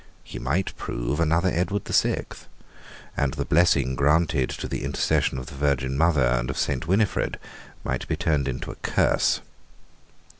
He might prove another Edward the Sixth; and the blessing granted to the intercession of the Virgin Mother and of Saint Winifred might be turned into a curse.